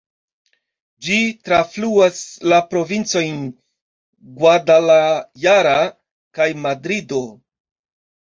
Ĝi trafluas la provincojn Guadalajara kaj Madrido.